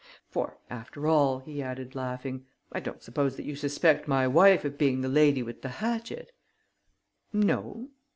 For, after all," he added laughing, "I don't suppose that you suspect my wife of being the lady with the hatchet." "No."